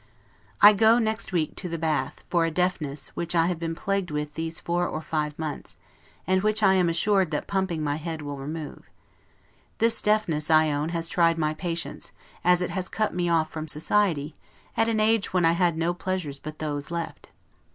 I go next week to the Bath, for a deafness, which I have been plagued with these four or five months; and which I am assured that pumping my head will remove. This deafness, I own, has tried my patience; as it has cut me off from society, at an age when I had no pleasures but those left.